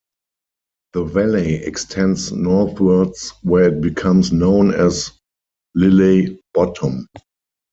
The valley extends northwards where it becomes known as Lilley Bottom.